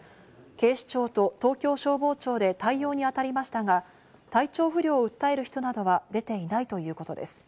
警視庁と東京消防庁で対応に当たりましたが、体調不良を訴える人などは出ていないということです。